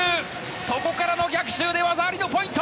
そこからの逆襲で技ありのポイント！